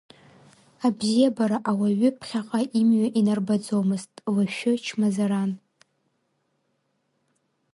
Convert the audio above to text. Абзиабара ауаҩы ԥхьаҟа имҩа инарбаӡомызт, лашәы чмазаран.